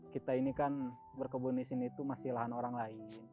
kita ini kan berkebun di sini itu masih lahan orang lain